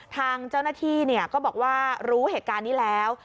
ทางเจ้าหน้าที่ก็บอกว่ารู้เหตุการณ์นี้แล้ว